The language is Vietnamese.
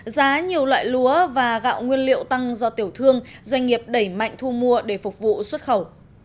giá nhiều loại lúa và gạo nguyên liệu tăng do tiểu thương doanh nghiệp đẩy mạnh thu mua để phục vụ xuất khẩu